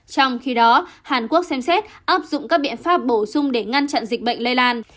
trong khi đó hàn quốc xem xét áp dụng các biện pháp bổ sung để ngăn chặn dịch bệnh lây lan